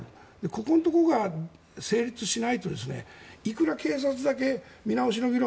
ここのところが成立しないといくら警察だけ見直しの議論